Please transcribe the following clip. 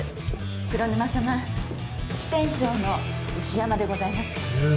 黒沼様支店長の牛山でございますえっ